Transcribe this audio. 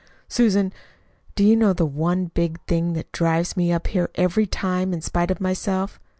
"Susan, do you know the one big thing that drives me up here every time, in spite of myself?